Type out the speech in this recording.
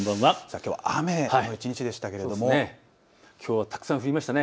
きょうは雨の一日でしたけどもきょうはたくさん降りましたね。